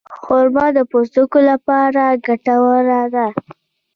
خرما د پوستکي لپاره ګټوره ده.